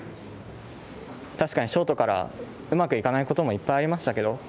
確かにショートからうまくいかないこともいっぱいありましたけど。